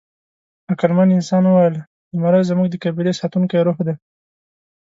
عقلمن انسان وویل: «زمری زموږ د قبیلې ساتونکی روح دی».